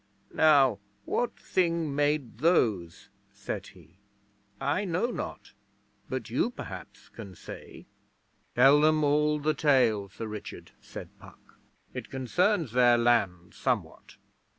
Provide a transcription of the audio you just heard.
'Now, what Thing made those?' said he. 'I know not, but you, perhaps, can say.' 'Tell them all the tale, Sir Richard,' said Puck. 'It concerns their land somewhat.'